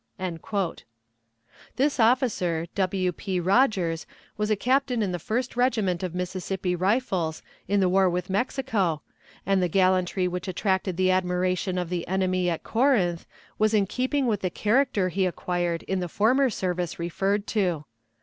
This officer, W. P. Rodgers, was a captain in the First Regiment of Mississippi Rifles in the war with Mexico, and the gallantry which attracted the admiration of the enemy at Corinth was in keeping with the character he acquired in the former service referred to.